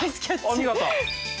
お見事。